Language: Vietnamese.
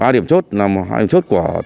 ba điểm chốt là hai điểm chốt của